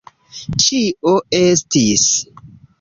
Ĉio estis.